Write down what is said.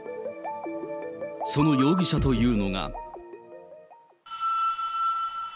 その容疑者というのが。